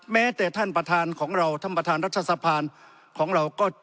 แม้แต่ท่านประธานของเราท่านประธานรัฐสภาของเราก็